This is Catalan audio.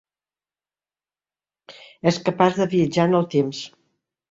És capaç de viatjar en el temps.